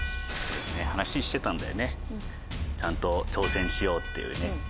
話してたんだよねちゃんと挑戦しようっていうね。